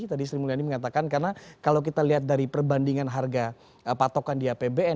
tadi sri mulyani mengatakan karena kalau kita lihat dari perbandingan harga patokan di apbn